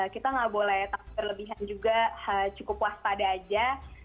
kita nggak boleh takut kelebihan juga cukup puas pada aja